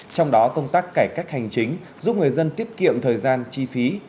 trong đó công tác cải cách hành chính giúp người dân tiết kiệm thời gian chi phí